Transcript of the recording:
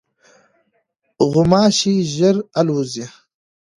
غوماشې ژر الوزي.